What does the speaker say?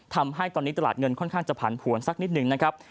ทำให้ตอนนี้ตลาดเงินค่อนข้างจะผันผวนสักนิดหนึ่งนะครับ